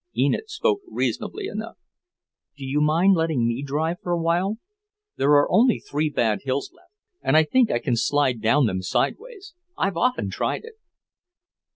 Enid spoke reasonably enough. "Do you mind letting me drive for awhile? There are only three bad hills left, and I think I can slide down them sideways; I've often tried it."